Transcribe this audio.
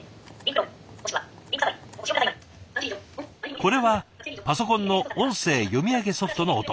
これはパソコンの音声読み上げソフトの音。